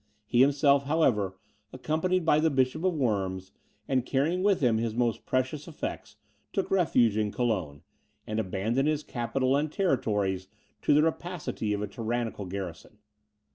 He himself, however, accompanied by the Bishop of Worms, and carrying with him his most precious effects, took refuge in Cologne, and abandoned his capital and territories to the rapacity of a tyrannical garrison.